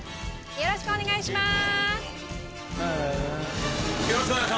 よろしくお願いします。